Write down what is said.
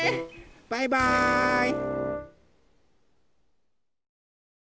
バイバーイ！